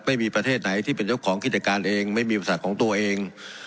ไม่มีประเทศไหนที่เป็นเจ้าของกิจการเองไม่มีบริษัทของตัวเอง